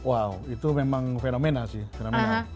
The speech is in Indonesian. wow itu memang fenomena sih fenomena